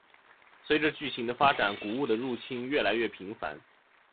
随着剧情的发展古物的入侵越来越频繁。